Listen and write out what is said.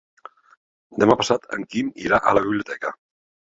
Demà passat en Quim irà a la biblioteca.